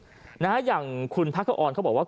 ทางใดก็ทางหนึ่งอย่างคุณพระคอร์นเขาบอกว่า